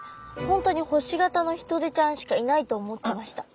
本当に星形のヒトデちゃんしかいないと思ってました。